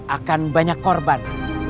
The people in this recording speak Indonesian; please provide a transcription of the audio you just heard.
akan banyak korban